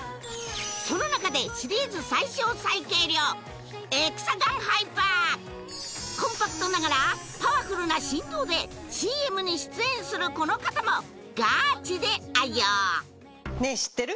そのなかでシリーズ最小・最軽量エクサガンハイパーコンパクトながらパワフルな振動でＣＭに出演するこの方もガチで愛用ねえ知ってる？